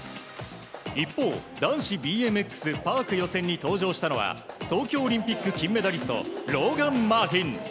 一方、男子ＢＭＸ・パーク予選に登場したのは東京オリンピック金メダリストローガン・マーティン。